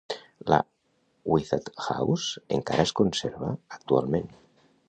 La Whitall House encara es conserva actualment.